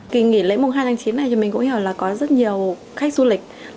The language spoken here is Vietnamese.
kinh nghỉ lễ mùa hai tháng chín này cho mình cũng hiểu là có rất nhiều khách du lịch